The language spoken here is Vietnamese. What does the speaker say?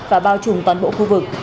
và bao trùm toàn bộ khu vực